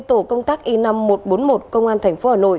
tổ công tác y năm nghìn một trăm bốn mươi một công an thành phố hà nội